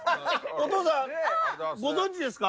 お父さんご存じですか？